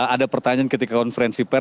ada pertanyaan ketika konferensi pers